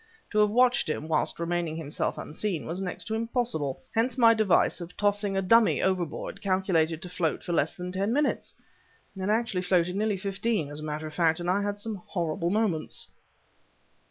To have watched him, whilst remaining myself unseen, was next to impossible; hence my device of tossing a dummy overboard, calculated to float for less than ten minutes! It actually floated nearly fifteen, as a matter of fact, and I had some horrible moments!"